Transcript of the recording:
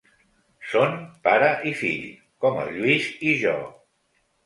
Són pare i fill, com el Lluís i jo.